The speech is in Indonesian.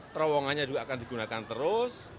terowongannya juga akan digunakan terus